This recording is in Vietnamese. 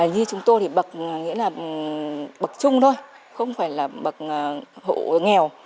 như chúng tôi thì bậc chung thôi không phải là bậc hộ nghèo